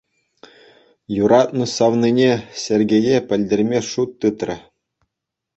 Юратнӑ савнине, Сергее, пӗлтерме шут тытрӗ.